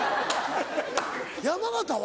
山形は？